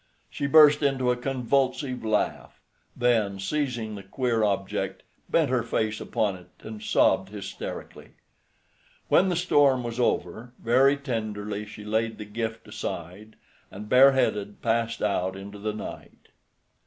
She burst into a convulsive laugh; then, seizing the queer object, bent her face upon it and sobbed hysterically. When the storm was over, very tenderly she laid the gift aside, and bareheaded passed out into the night.